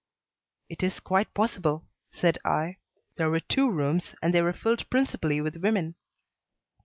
"It is quite possible," said I. "There were two rooms and they were filled principally with women."